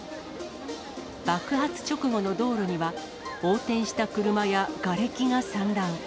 爆発直後の道路には、横転した車やがれきが散乱。